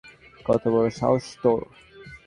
কত বড় সাহস তোর!